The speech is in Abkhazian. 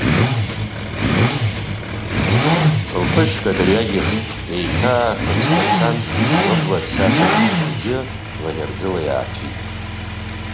Лԥышәқәа адырҩегьх еиҭаақәацқәацан, лыбла ҭшаша гәыкқәагьы лаӷырӡыла иааҭәит.